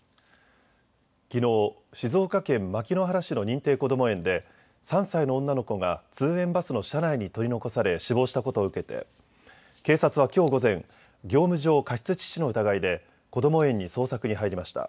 きのう静岡県牧之原市の認定こども園で３歳の女の子が通園バスの車内に取り残され死亡したことを受けて警察はきょう午前、業務上過失致死の疑いでこども園に捜索に入りました。